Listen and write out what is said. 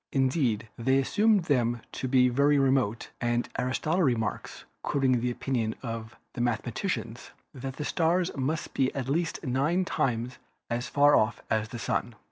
Indeed, they assumed them to be very remote, and Aristotle remarks, quoting the opinion of "the mathe maticians," that the stars must be at least nine times as far off as the Sun.